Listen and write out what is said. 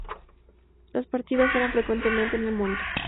Las partidas eran frecuentemente en el monte.